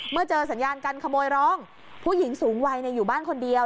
เมื่อเจอสัญญากันขโมยร้องผู้หญิงสูงวัยเนี้ยอยู่บ้านคนเดียว